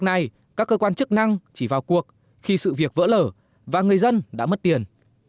hôm nay các cơ quan chức năng chỉ vào cuộc khi sự việc vỡ lở và người dân đã mất tiền